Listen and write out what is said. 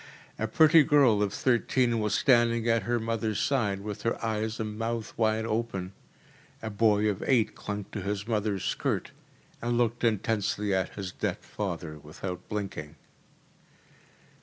A pretty girl of thirteen was standing at her mother’s side, with her eyes and mouth wide open. A boy of eight clung to his mother’s skirt, and looked intensely at his dead father without blinking.